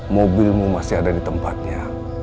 mobilmu masih ada di tempatnya